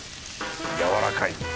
やわらかい！